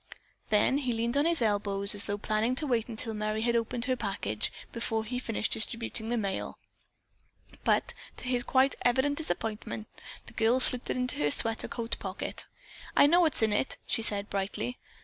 Then he leaned on his elbows as though planning to wait until Merry had opened her package before he finished distributing the mail, but to his quite evident disappointment, the girl slipped it into her sweater coat pocket. "I know what's in it," she said brightly.